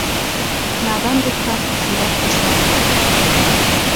Наҙан дуҫтан зирәк дошман артыҡ.